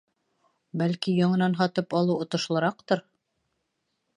Бәлки яңынан һатып алыу отошлораҡтыр?